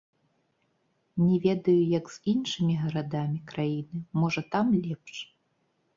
Не ведаю, як з іншымі гарадамі краіны, можа, там лепш.